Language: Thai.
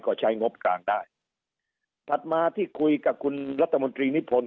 ก็ใช้งบกลางได้ถัดมาที่คุยกับคุณรัฐมนตรีนิพนธ